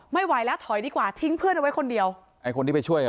ไม่ไหวแล้วถอยดีกว่าทิ้งเพื่อนเอาไว้คนเดียวไอ้คนที่ไปช่วยอ่ะ